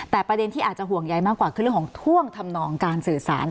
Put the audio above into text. แต่ประเด็นที่อาจจะห่วงใยมากกว่าคือเรื่องของท่วงทำนองการสื่อสาร